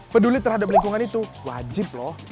peduli terhadap lingkungan itu wajib loh